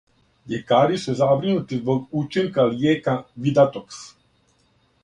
Љекари су забринути због учинка лијека "Видатоx".